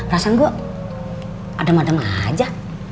perasaan gue adem adem aja